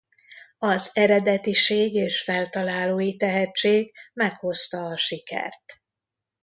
Az eredetiség és feltalálói tehetség meghozta a sikert.